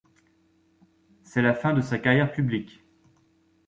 C'est la fin de sa carrière publique.